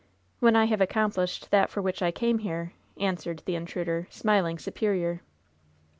"When I have accomplished that for which I came here," answered the intruder, smiling superior.